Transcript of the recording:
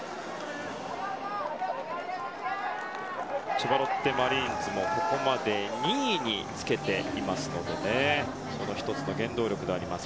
千葉ロッテマリーンズもここまで２位につけていますのでその１つの原動力です。